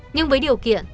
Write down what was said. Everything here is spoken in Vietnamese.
nhưng với điều kiện